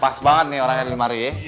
wah pas banget nih orang yang dari maruye